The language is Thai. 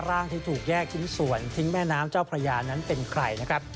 ร่างที่ถูกแยกชิ้นส่วนทิ้งแม่น้ำเจ้าพระยานั้นเป็นใครนะครับ